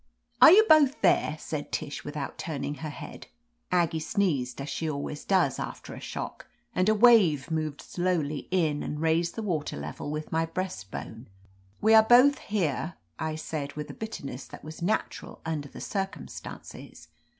"Are you both there?" said Tish, without turning her head. Aggie sneezed, as she always does after a shock, and a wave moved slowly in and raised the water level with my breastbone. "We are both here," I said, with a bitterness that was natural under the circumstances.